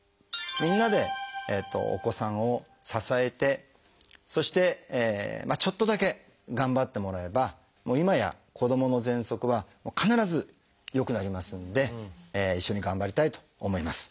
みんなでお子さんを支えてそしてちょっとだけ頑張ってもらえばもう今や子どものぜんそくは必ず良くなりますんで一緒に頑張りたいと思います。